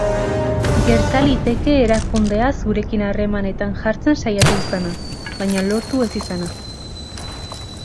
Gerta liteke erakundea zurekin harremanetan jartzen saiatu izana, baina lortu ez izana.